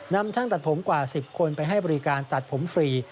ช่างตัดผมกว่า๑๐คนไปให้บริการตัดผมฟรี